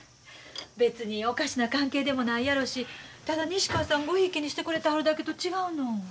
別におかしな関係でもないやろしただ西川さんごひいきにしてくれてはるだけと違うの？